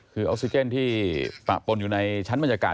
คือออกซิเจนที่ปะปนอยู่ในชั้นบรรยากาศ